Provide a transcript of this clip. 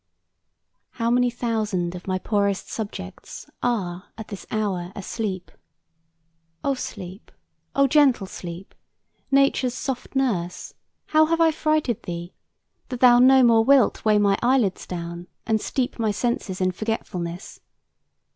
"How many thousand of my poorest subjects Are at this hour asleep! O Sleep, O gentle Sleep, Nature's soft nurse, how have I frighted thee, That thou no more wilt weigh my eyelids down And steep my senses in forgetfulness?